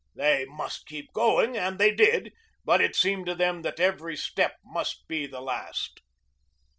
They must keep going, and they did, but it seemed to them that every step must be the last.